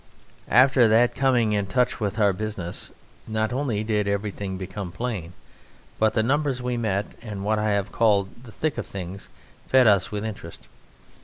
After that coming in touch with our business, not only did everything become plain, but the numbers we met, and what I have called "the thick of things," fed us with interest.